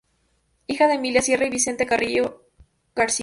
Hija de Emilia Sierra y Vicente Carrió García.